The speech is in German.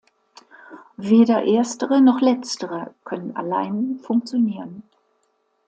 Weder Erstere noch Letztere können allein funktionieren.